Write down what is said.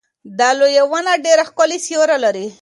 دا لویه ونه ډېر ښکلی سیوری لري.